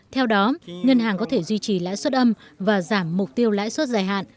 theo đó ngân hàng có thể duy trì lãi suất âm và giảm mục tiêu lãi suất dài hạn